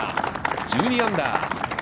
１２アンダー。